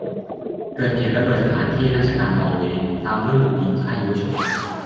เกิดเหตุระเบิดสถานที่ราชการนอร์เวย์ ตามด้วยบุกยิงค่ายยุวชน